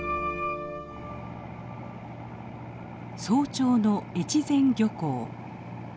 早朝の越前漁港。